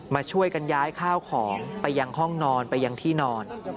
มาช่วยกันย้ายข้าวของไปยังห้องนอนไปยังที่นอน